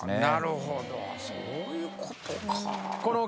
なるほどそういうことか。